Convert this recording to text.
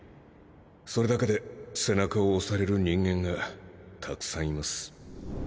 それだけで背中を押される人間がたくさんいます